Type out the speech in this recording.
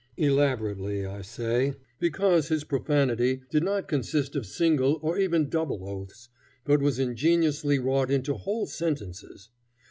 Elaborately, I say, because his profanity did not consist of single or even double oaths, but was ingeniously wrought into whole sentences.